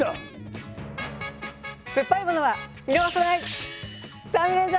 すっぱいものはみのがさない！